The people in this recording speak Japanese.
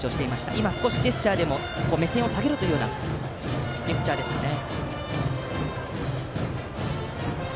今、少しジェスチャーでも目線を下げろというようなジェスチャーですかね。